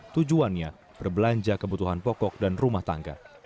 tujuannya berbelanja kebutuhan pokok dan rumah tangga